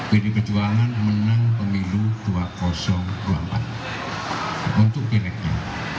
bd pejuangan menang pemilu dua ribu dua puluh empat untuk pilihnya